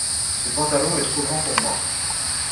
Ce pantalon est trop grand pour moi.